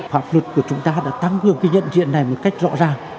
hợp đồng lao động của chúng ta đã tăng cường cái nhận diện này một cách rõ ràng